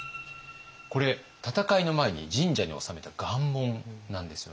これ戦いの前に神社に納めた願文なんですよね。